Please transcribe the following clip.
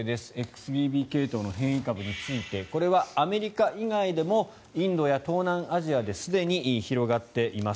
ＸＢＢ系統の変異株についてこれはアメリカ以外でもインドや東南アジアですでに広がっています。